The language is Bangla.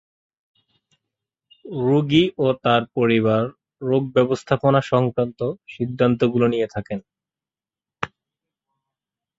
রোগী ও তার পরিবার রোগ ব্যবস্থাপনা সংক্রান্ত সিদ্ধান্তগুলি নিয়ে থাকেন।